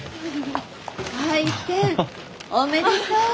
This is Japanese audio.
開店おめでとう。